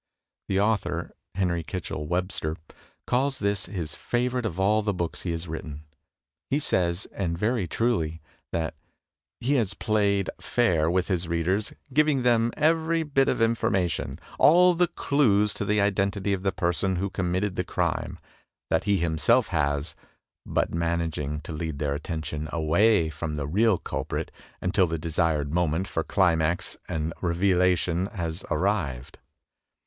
The author, Henry Kitchell Webster, calls this his favorite of all the books he has written. He says, and very truly, that "he has played fair with his readers, given them every bit of information — ^all the clues to the identity of the person who committed the crime — ^that he himself has, but managing to lead their attention away from the real culprit until the desired moment for climax and revelation has arrived.